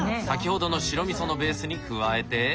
先ほどの白味噌のベースに加えて。